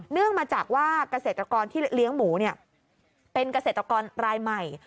มาจากว่าเกษตรกรที่เลี้ยงหมูเป็นเกษตรกรรายใหม่